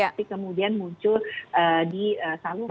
tapi kemudian muncul di saluran